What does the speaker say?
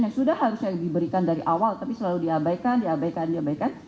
yang sudah harusnya diberikan dari awal tapi selalu diabaikan diabaikan diabaikan